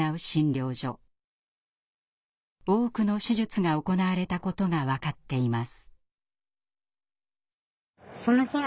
多くの手術が行われたことが分かっています。